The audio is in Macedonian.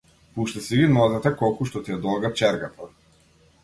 Пушти си ги нозете колку што ти е долга чергата.